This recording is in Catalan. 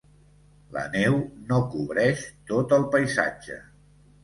La neu no cobreix tot el paisatge.